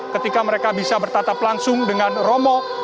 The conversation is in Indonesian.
ketika mereka bisa bertatap langsung dengan romo